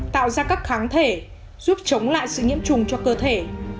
tạo ra các kháng thể giúp chống lại sự nhiễm trùng cho cơ thể